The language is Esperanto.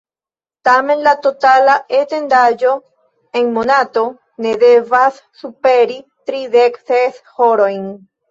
Tamen la totala etendaĵo en monato ne devas superi tridek ses horojn.